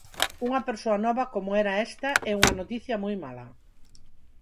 Unha persoa nova como era esta é unha noticia moi mala.